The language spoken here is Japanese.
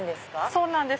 そうなんです。